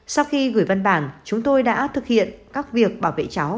sau khi gửi văn bản chúng tôi đã thực hiện các việc bảo vệ cháu